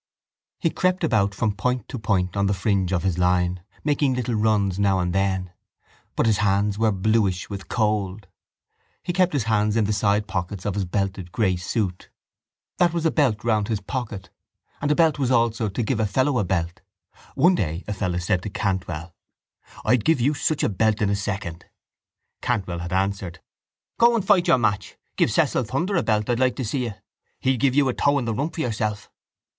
He crept about from point to point on the fringe of his line, making little runs now and then. But his hands were bluish with cold. He kept his hands in the side pockets of his belted grey suit. That was a belt round his pocket. And belt was also to give a fellow a belt. One day a fellow said to Cantwell: —I'd give you such a belt in a second. Cantwell had answered: —Go and fight your match. Give Cecil Thunder a belt. I'd like to see you. He'd give you a toe in the rump for yourself.